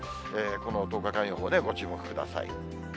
この１０日間予報でご注目ください。